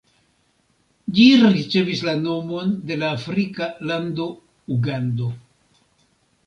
Ĝi ricevis la nomon de la afrika lando Ugando.